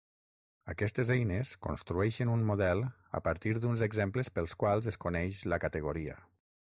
Aquestes eines construeixen un model a partir d'uns exemples pels quals es coneix la categoria.